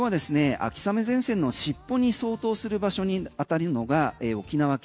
秋雨前線の尻尾に相当する場所に当たるのが沖縄県。